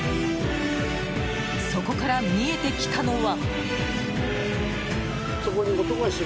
そこから、見えてきたのは。